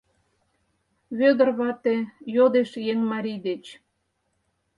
— Вӧдыр вате йодеш «еҥ» марий деч...